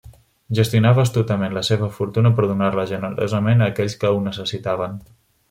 Gestionava astutament la seva fortuna per donar-la generosament a aquells que ho necessitaven.